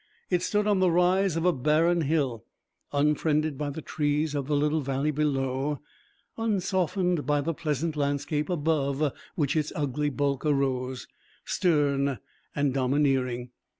It stood on the rise of a barren hill, unfriended by the trees of the little valley below, unsoftened by the pleasant landscape above which its ugly bulk arose, stern and domineering.